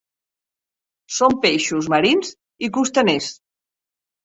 Són peixos marins i costaners.